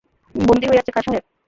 বন্দী হইয়াছে খাঁ সাহেব?